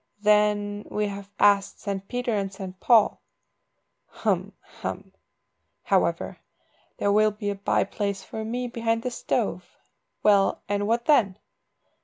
"Then we have asked St. Peter and St. Paul." "Hem! hem! However, there will be a bye place for me behind the stove. Well, and what then?"